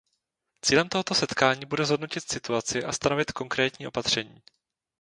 Cílem tohoto setkání bude zhodnotit situaci a stanovit konkrétní opatření.